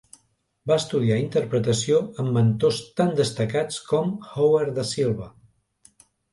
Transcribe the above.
Va estudiar interpretació amb mentors tan destacats com Howard Da Silva.